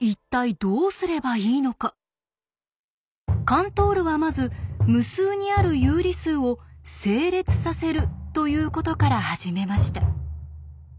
カントールはまず無数にある有理数を「整列させる」ということから始めました。